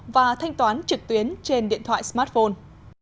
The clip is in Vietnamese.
và thanh toán trực tuyến trên điện thoại smartphone